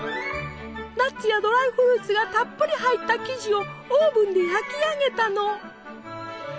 ナッツやドライフルーツがたっぷり入った生地をオーブンで焼き上げたの。